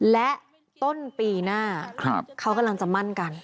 และต้นปีหน้าเขากำลังจะมั่นกัน